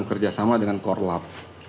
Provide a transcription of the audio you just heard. kerjasama dengan korlav